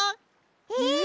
えっ！？